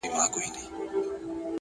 موخې د ذهن لارښوونه منظموي.!